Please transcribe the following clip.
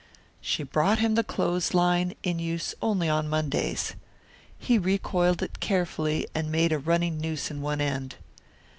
She brought him the clothesline, in use only on Mondays. He re coiled it carefully and made a running noose in one end.